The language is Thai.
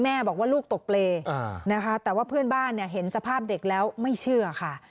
แม่บอกว่าลูกตกเปรย์นะคะแต่ว่าเพื่อนบ้านเห็นสภาพเด็กแล้วไม่เชื่อค่ะ